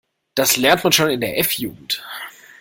Das lernt man schon in der F-Jugend.